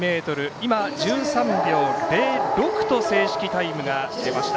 今１３秒０６と正式タイムが出ました。